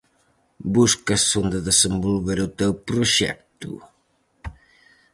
Buscas onde desenvolver o teu proxecto?